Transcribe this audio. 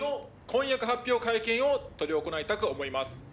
「婚約発表会見を執り行いたく思います」